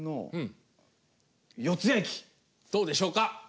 どうでしょうか？